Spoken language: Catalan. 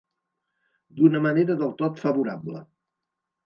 D'una manera del tot favorable.